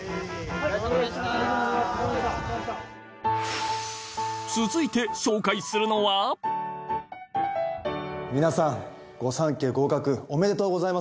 お疲れさまでした・続いて紹介するのは皆さん御三家合格おめでとうございます。